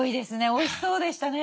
おいしそうでしたね。